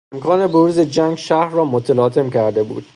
امکان بروز جنگ شهر را متلاطم کرده بود.